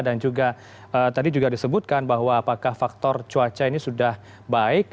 dan juga tadi juga disebutkan bahwa apakah faktor cuaca ini sudah baik